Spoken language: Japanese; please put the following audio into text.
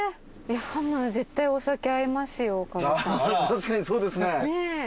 確かにそうですね。